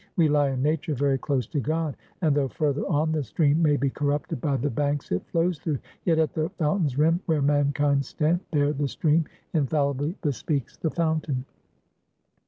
We lie in nature very close to God; and though, further on, the stream may be corrupted by the banks it flows through; yet at the fountain's rim, where mankind stand, there the stream infallibly bespeaks the fountain.